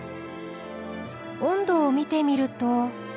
温度を見てみると。